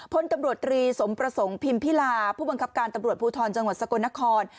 พลตำรวจตรีสมประสงค์พิมพิลาผู้บังคับการตำรวจภูทรจังหวัดสกลนคร